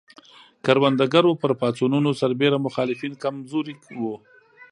کروندګرو پر پاڅونونو سربېره مخالفین کم زوري وو.